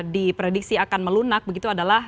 diprediksi akan melunak begitu adalah